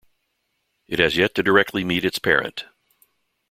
It has yet to directly meet its parent.